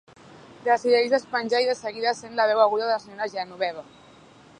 Decideix despenjar i de seguida sent la veu aguda de la senyora Genoveva.